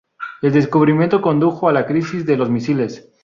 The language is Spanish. El descubrimiento condujo a la Crisis de los Misiles.